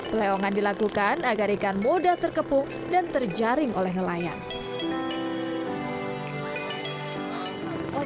peleongan dilakukan agar ikan mudah terkepung dan terjaring oleh nelayan